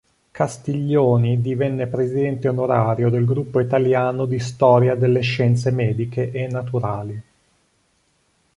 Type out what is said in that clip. Castiglioni divenne Presidente onorario del Gruppo italiano di "Storia delle Scienze Mediche e Naturali".